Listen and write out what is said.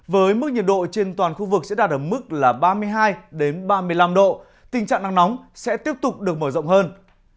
với mức nhiệt độ trên toàn khu vực sẽ đạt ở mức ba mươi hai ba mươi năm độ tình trạng nắng nóng sẽ tiếp tục được mở rộng hơn